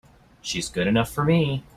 She's good enough for me!